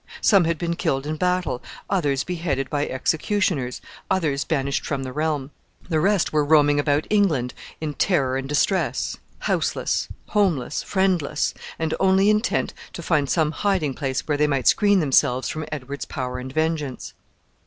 Some had been killed in battle, others beheaded by executioners, others banished from the realm. The rest were roaming about England in terror and distress, houseless, homeless, friendless, and only intent to find some hiding place where they might screen themselves from Edward's power and vengeance.